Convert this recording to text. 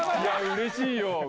うれしいよ。